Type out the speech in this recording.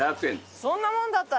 和田：そんなもんだった！